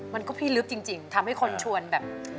มันก็พี่ลึกจริงทำให้คนชวนแบบ